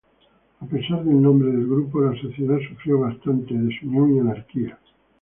A pesar del nombre del grupo, la sociedad sufrió bastante desunión y anarquía.